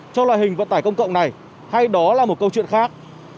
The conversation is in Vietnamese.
cho loại hình vận tải công cộng này hay đó là một câu chuyện khác